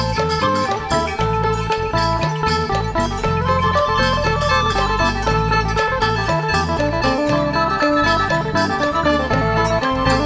โชว์ฮีตะโครน